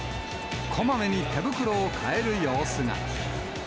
こまめに手袋を替える様子が。